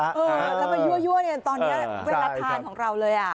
แล้วมันยั่วยั่วตอนนี้เวลาทานของเราเลยอ่ะ